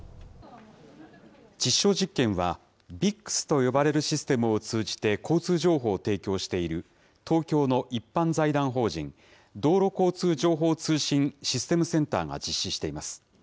実証実験は、ＶＩＣＳと呼ばれるシステムを通じて、交通情報を提供している東京の一般財団法人道路交通情報通信システムセンターが実施しています。